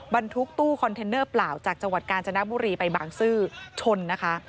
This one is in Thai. บรรทุกตู้คอนเทนเนอร์เปล่าจากจังหวัดกาญจนบุรีไปบางซื่อชนนะคะ